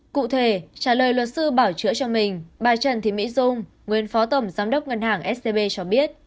cụ thể trả lời luật sư bảo chữa cho mình bà trần thị mỹ dung nguyên phó tổng giám đốc ngân hàng scb cho biết